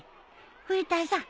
冬田さん